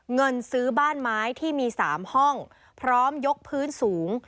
เงินซื้อบ้านไม้ที่มี๓ห้องพร้อมยกพื้นสูง